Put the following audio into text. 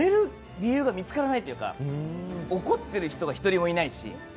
理由が見つからないというか、怒っている人が一人もいないし。